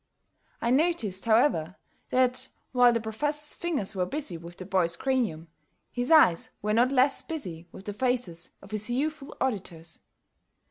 I noticed, however, that while the Professor's fingers were busy with the boy's cranium, his eyes were not less busy with the faces of his youthful auditors.